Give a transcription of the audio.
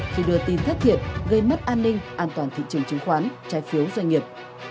khi đưa tin thất thiệt gây mất an ninh an toàn thị trường chứng khoán trái phiếu doanh nghiệp